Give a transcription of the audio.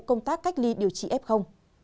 công tác cách ly điều trị ép không